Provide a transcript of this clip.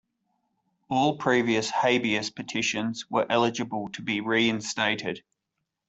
All previous "habeas" petitions were eligible to be re-instated.